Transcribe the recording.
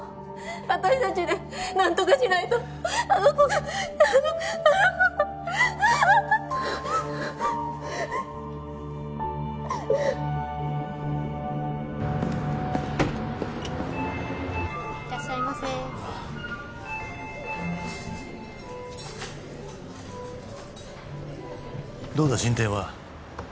私達で何とかしないとあの子があの子がいらっしゃいませどうだ進展は？